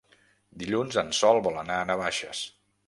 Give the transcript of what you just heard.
Dilluns en Sol vol anar a Navaixes.